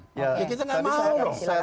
kita nggak mau dong